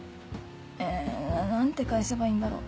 え何て返せばいいんだろう？